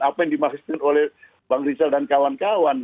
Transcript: apa yang dimaksudkan oleh bang rizal dan kawan kawan